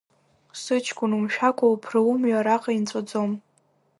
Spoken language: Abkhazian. Сыҷкәын, умшәакәа уԥры, умҩа араҟа инҵәаӡом!